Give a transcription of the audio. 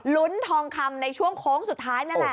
ลุ้นทองคำในช่วงโค้งสุดท้ายนั่นแหละ